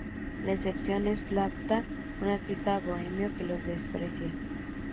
La excepción es Flauta, un artista bohemio que los desprecia.